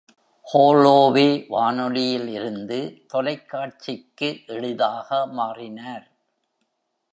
Holloway வானொலியில் இருந்து தொலைக்காட்சிக்கு எளிதாக மாறினார்.